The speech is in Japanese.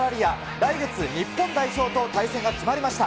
来月、日本代表と対戦が決まりました。